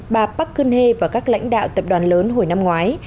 bà park geun hye và các lãnh đạo tập đoàn lớn hồi năm ngoái